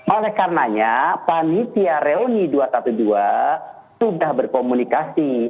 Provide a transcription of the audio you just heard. oleh karenanya panitia reuni dua ratus dua belas sudah berkomunikasi